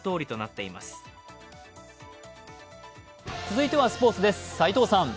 続いてはスポーツです。